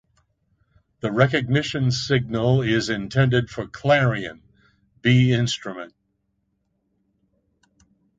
The recognition signal is intended for clarion (B instrument).